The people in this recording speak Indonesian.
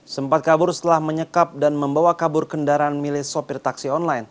sempat kabur setelah menyekap dan membawa kabur kendaraan milik sopir taksi online